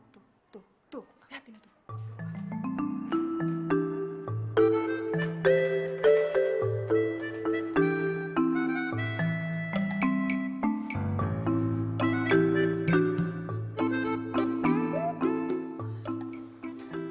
tuh lihat ini tuh